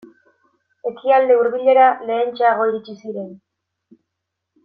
Ekialde Hurbilera lehentxeago iritsi ziren.